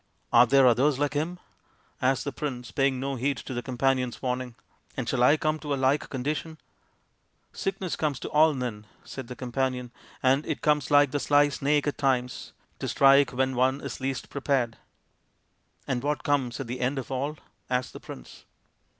55 " Are there others like him ? 55 asked the prince, paying no heed to his companion^ warning, " and shall I come to a like condition ?"" Sickness comes to all men," said his companion, " and it comes like the sly snake at times, to strike when one is least prepared. 35 " And what comes at the end of all ?" asked the prince.